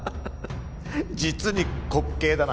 実に滑稽だな。